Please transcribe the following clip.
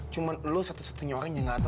kau tahu kenapa